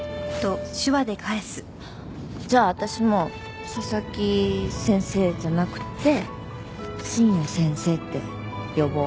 じゃあ私も佐々木先生じゃなくて深夜先生って呼ぼう。